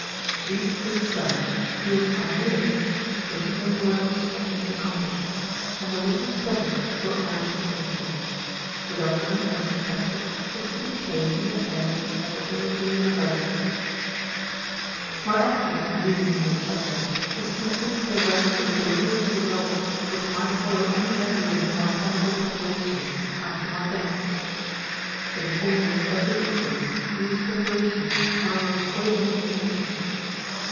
These things done, he will sign the list, stating that the work of destruction is accomplished; and the witness present will add his signature. The document, thus attested, is to be placed in the care of the Secretary to the University. "'My object in leaving these instructions is simply to prevent the dangerous results which might follow any meddling with my chemical preparations, after my death. "'In almost every instance, these preparations are of a poisonous nature.